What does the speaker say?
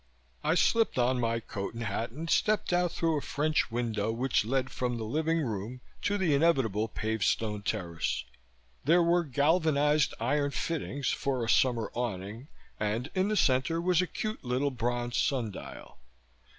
I slipped on my coat and hat and stepped out through a French window which led from the living room to the inevitable paved stone terrace. There were galvanized iron fittings for a summer awning and in the center was a cute little bronze sun dial.